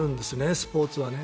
スポーツは。